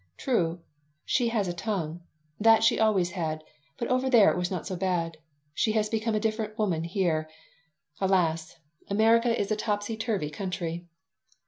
True, she has a tongue. That she always had, but over there it was not so bad. She has become a different woman here. Alas! America is a topsy turvy country."